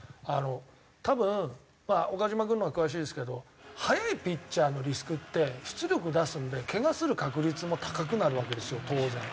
多分まあ岡島君のほうが詳しいですけど速いピッチャーのリスクって出力出すのでけがする確率も高くなるわけですよ当然。